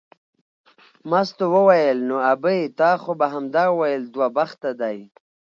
مستو وویل نو ابۍ تا خو به همدا ویل دوه بخته دی.